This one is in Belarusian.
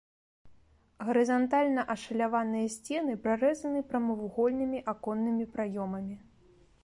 Гарызантальна ашаляваныя сцены прарэзаны прамавугольнымі аконнымі праёмамі.